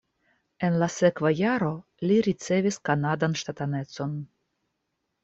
En la sekva jaro li ricevis kanadan ŝtatanecon.